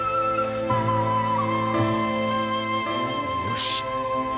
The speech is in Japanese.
よし！